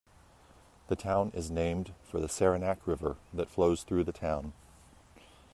The town is named for the Saranac River that flows through the town.